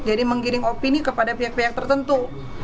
jadi menggiring opini kepada pihak pihak tertentu